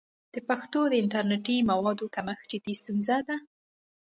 د پښتو د انټرنیټي موادو کمښت جدي ستونزه ده.